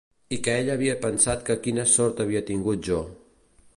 I que ella havia pensat que quina sort havia tingut jo...